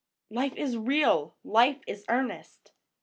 Life is real ! Life is earnest